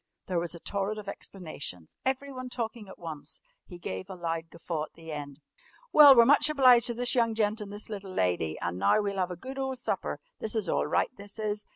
There was a torrent of explanations, everyone talking at once. He gave a loud guffaw at the end. "Well, we're much obliged to this young gent and this little lady, and now we'll 'ave a good ole supper. This is all right, this is!